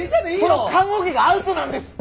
その棺桶がアウトなんですって！